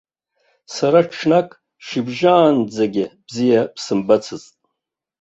Сара ҽнак шьыбжьаанӡагьы бзиа бсымбацызт!